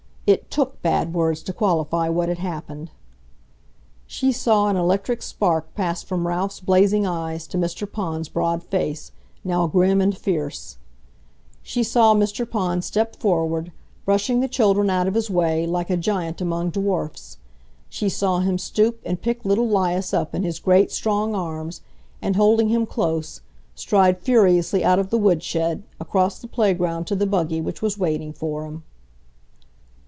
It TOOK bad words to qualify what had happened. She saw an electric spark pass from Ralph's blazing eyes to Mr. Pond's broad face, now grim and fierce. She saw Mr. Pond step forward, brushing the children out of his way, like a giant among dwarfs. She saw him stoop and pick little 'Lias up in his great, strong arms, and, holding him close, stride furiously out of the woodshed, across the playground to the buggy which was waiting for him.